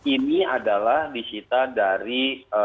ini adalah disita dari